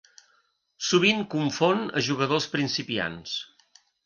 Sovint confon a jugadors principiants.